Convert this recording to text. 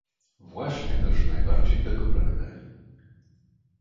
"Właśnie też najbardziej tego pragnęli."